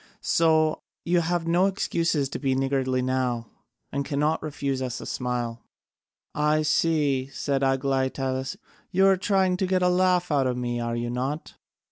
So you have no excuse to be niggardly now, and cannot refuse us a smile." "I see," said Aglaïtadas, "you are trying to get a laugh out of me, are you not?"